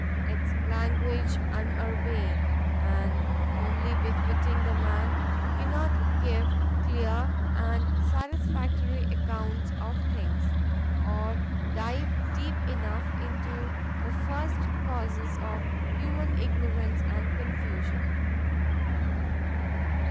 —'Tis language unurbane,—and only befitting the man who cannot give clear and satisfactory accounts of things, or dive deep enough into the first causes of human ignorance and confusion.